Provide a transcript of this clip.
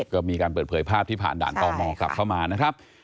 ก็มีการเปิดเผยภาพที่ผ่านด่านต่อหมอกลับเข้ามานะครับ